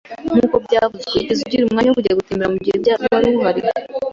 Nkuko byavuzwe, wigeze ugira umwanya wo kujya gutembera mugihe wari uhari?